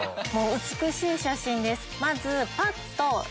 美しい写真です。